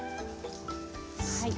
はい。